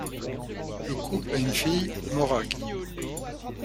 Le couple a une fille, Morag.